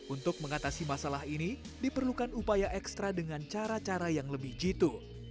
untuk mengatasi masalah ini diperlukan upaya ekstra dengan cara cara yang lebih jitu